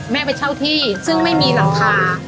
ไปเช่าที่ซึ่งไม่มีหลังคา